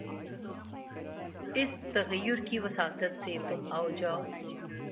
اُس تحیّر کی وساطت سے تُم آؤ جاؤ